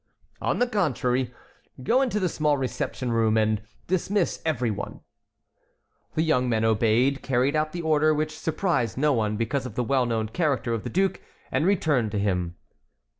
"On the contrary, go into the small reception room and dismiss every one." The young men obeyed, carried out the order, which surprised no one, because of the well known character of the duke, and returned to him.